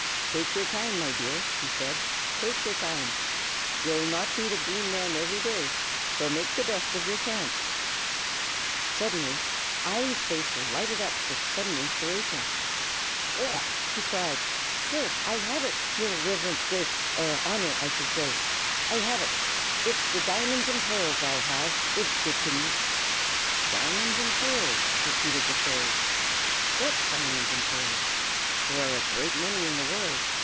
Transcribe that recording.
"Take yer time, my dear," he said, "take yer time! Ye'll not meet a Green Man every day, so make the best o' your chance!" Suddenly Eily's face lighted up with a sudden inspiration. "Och!" she cried, "sure I have it, yer Riverence's Grace Honor, I shud say! I have it! it's the di'monds and pearrls I'll have, iv ye plaze!" "Diamonds and pearls?" repeated the fairy, "what diamonds and pearls? There are a great many in the world.